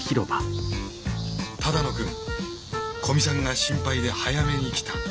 只野くん古見さんが心配で早めに来た。